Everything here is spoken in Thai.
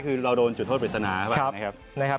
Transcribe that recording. คือเราโดนจุดโทษผิดศานะ